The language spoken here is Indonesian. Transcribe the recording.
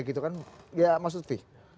ya mas lutut